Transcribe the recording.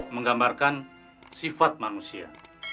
menggambarkan sifat manusia